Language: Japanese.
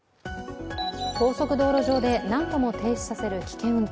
高速道路上で何度も停止させる危険運転。